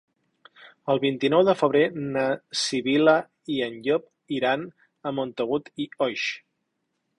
El vint-i-nou de febrer na Sibil·la i en Llop iran a Montagut i Oix.